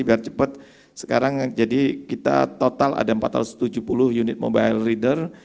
biar cepat sekarang jadi kita total ada empat ratus tujuh puluh unit mobile reader